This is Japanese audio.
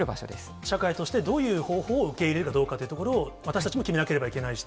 社会としてどういう方法を受け入れるかどうかというところを、私たちも決めなければいけないしと。